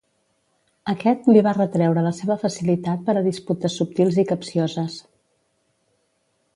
Aquest li va retreure la seva facilitat per a disputes subtils i capcioses.